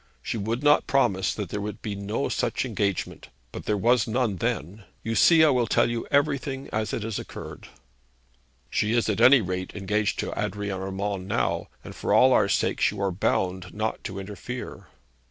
She would not promise that there should be no such engagement; but there was none then. You see I will tell you everything as it occurred.' 'She is at any rate engaged to Adrian Urmand now, and for all our sakes you are bound not to interfere.'